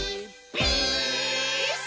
ピース！」